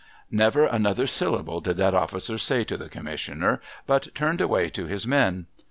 Never another syllable did that officer say to the Commissioner, but turned away to his men.